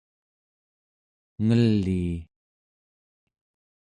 ngelii